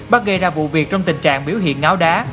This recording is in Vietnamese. bắt gây ra vụ việc trong tình trạng biểu hiện ngáo đá